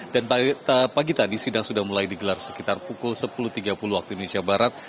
dan pagi tadi sidang sudah mulai digelar sekitar pukul sepuluh tiga puluh waktu indonesia barat